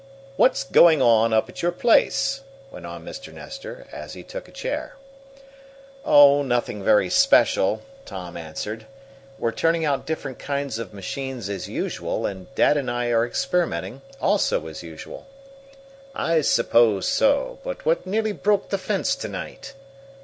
"What's going on up at your place?" went on Mr. Nestor, as he took a chair. "Oh, nothing very special," Tom answered. "We're turning out different kinds of machines as usual, and dad and I are experimenting, also as usual." "I suppose so. But what nearly broke the fence to night?"